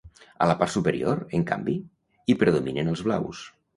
A la part superior, en canvi, hi predominen els blaus.